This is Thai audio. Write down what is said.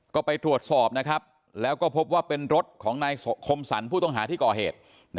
ก็ไปตรวจสอบนะครับแล้วก็พบว่าเป็นรถของนายคมสรรผู้ต้องหาที่ก่อเหตุ